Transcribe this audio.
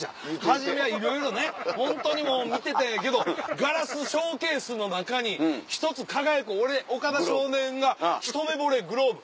初めはいろいろねホントにもう見てたんやけどガラスショーケースの中に１つ輝く俺岡田少年がひと目ぼれグローブ。